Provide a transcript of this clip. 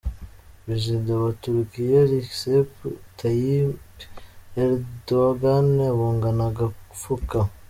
Perezida wa Turukiya, Recep Tayyip Erdoğan abungana agafuka.